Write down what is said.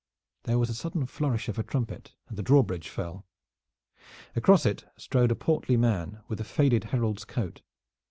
There was a sudden flourish of a trumpet and the drawbridge fell. Across it strode a portly man with a faded herald's coat.